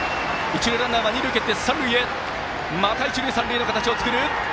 また一塁三塁の形を作る。